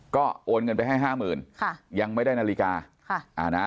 ก็โอนเงินไปให้๕๐๐๐๐ยังไม่ได้นาฬิกา